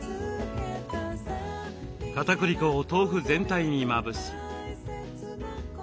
かたくり粉を豆腐全体にまぶし。